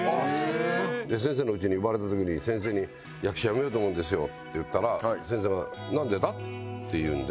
で先生の家に呼ばれた時に先生に「役者辞めようと思うんですよ」って言ったら先生が「なんでだ？」って言うんで。